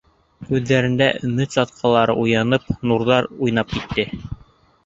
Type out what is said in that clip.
Күҙендә өмөт сатҡылары уянып, нурҙар уйнап китте.